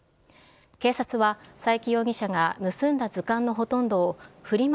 警察は、佐伯容疑者が盗んだ図鑑のほとんどをフリマ